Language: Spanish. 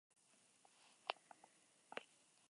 Vale todo fue la primera alianza entre Rede Globo y Telemundo.